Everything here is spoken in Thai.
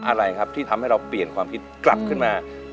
อะไรครับที่ทำให้เราเปลี่ยนความคิดกลับขึ้นมา